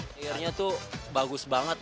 akhirnya tuh bagus banget